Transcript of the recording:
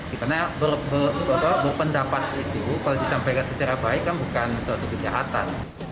karena berpendapat itu kalau disampaikan secara baik kan bukan suatu kejahatan